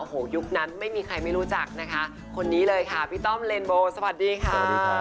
โอ้โหยุคนั้นไม่มีใครไม่รู้จักนะคะคนนี้เลยค่ะพี่ต้อมเลนโบสวัสดีค่ะ